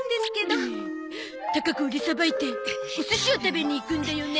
高く売りさばいてお寿司を食べにいくんだよね